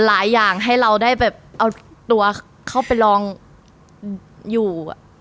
หลายอย่างให้เราได้แบบเอาตัวเข้าไปลองอยู่